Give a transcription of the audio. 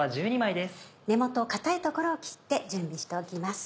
根元硬い所を切って準備しておきます。